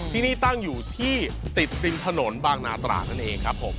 ที่นี่ตั้งอยู่ที่ติดริมถนนบางนาตราดนั่นเองครับผม